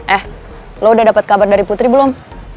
eh lo udah dapat kabar dari putri belum